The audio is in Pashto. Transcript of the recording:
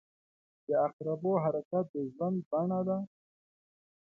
• د عقربو حرکت د ژوند بڼه ده.